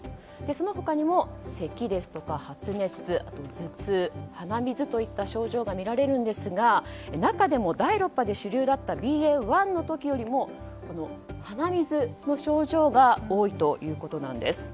その他にもせきですとか発熱、頭痛鼻水といった症状が見られるんですが中でも第６波で主流だったＢＡ．１の時よりも鼻水の症状が多いということです。